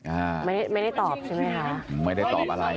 อ่าไม่ได้ไม่ได้ตอบใช่ไหมคะไม่ได้ตอบอะไร